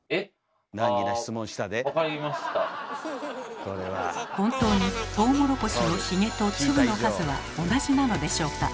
あ本当にトウモロコシのヒゲと粒の数は同じなのでしょうか？